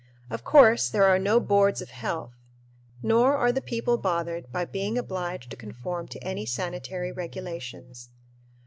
Of course, there are no "boards of health," nor are the people bothered by being obliged to conform to any sanitary regulations.